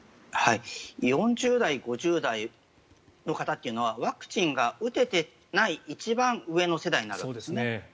４０代、５０代の方というのはワクチンが打てていない一番上の世代なんですね。